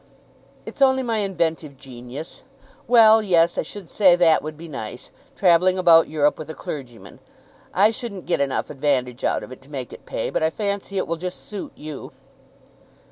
"It's only my inventive genius. Well; yes; I should say that would be nice, travelling about Europe with a clergyman. I shouldn't get enough advantage out of it to make it pay, but I fancy it will just suit you."